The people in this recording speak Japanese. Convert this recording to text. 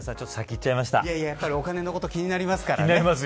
お金のこと気になりますからね。